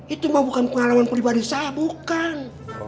itu mah bukan pengalaman pribadi saya bukan